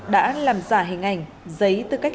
đã làm giả hình ảnh giấy tư cách